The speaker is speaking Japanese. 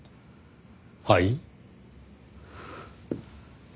はい？